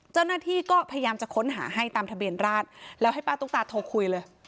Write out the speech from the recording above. เจ้าหน้าที่ก็พยายามจะค้นหาให้ตามทะเบียนราชแล้วให้ป้าตุ๊กตาโทรคุยเลย